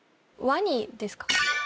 ワニですか？